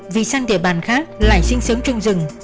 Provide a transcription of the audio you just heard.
vì sang địa bàn khác lại sinh sớm trung rừng